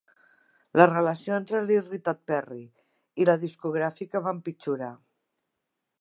La relació entre l'irritat Perry i la discogràfica va empitjorar.